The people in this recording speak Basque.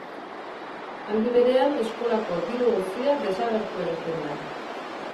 Aldi berean, eskolako diru guztia desagertu egiten da.